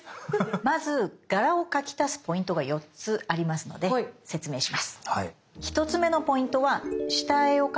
まず柄を描き足すポイントが４つありますので説明します。